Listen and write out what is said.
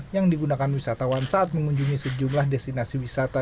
yang digunakan wisatawan saat mengunjungi sejumlah destinasi wisata